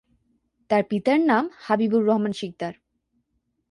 তার পিতার নাম হাবিবুর রহমান সিকদার।